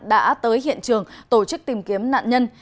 đã tới hiện trường tổ chức tìm kiếm nạn nhân